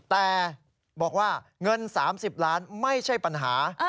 แต่บอกว่าเงิน๓๐ล้านไม่ใช่ปัญหา